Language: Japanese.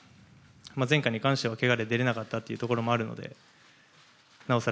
前回に関しては、けがで出られなかったところもあるのでなおさら